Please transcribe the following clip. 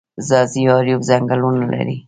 ځاځي اریوب ځنګلونه لري؟